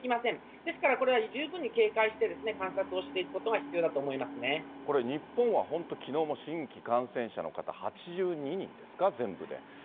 ですから、これは十分に警戒して、観察をしていくことが必要だと思いま日本は本当、きのうの新規感染者の方、８２人ですか、全部で。